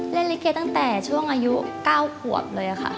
เล่นลิเกตั้งแต่ช่วงอายุ๙ขวบเลยค่ะ